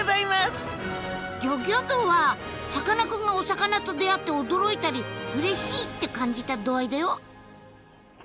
ギョギョ度はさかなクンがお魚と出会って驚いたりうれしいって感じた度合いだよ。